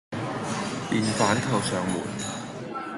便反扣上門，